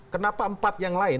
kenapa empat yang lain